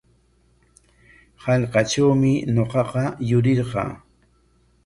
Hallqatrawmi ñuqaqa yurirqaa.